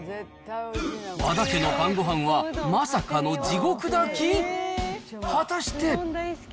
和田家の晩ごはんは、まさかの地獄炊き？